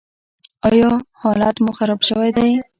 ایا حالت مو خراب شوی دی؟